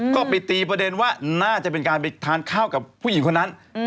ก็ไปตีประเด็นว่าน่าจะเป็นการไปทานข้าวกับผู้หญิงคนนั้น